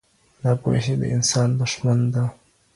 ناپوهي د انسان دښمن ده.